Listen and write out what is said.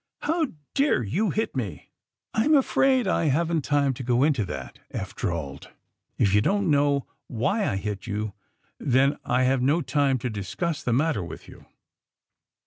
^^ How dare you hit me 1 '' I'm afraid I haven't time to go into that,'' Eph drawled. ^*If you don't know why I hit you then I have no time to discuss the matter with you.